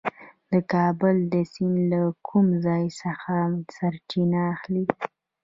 د کابل سیند له کوم ځای څخه سرچینه اخلي؟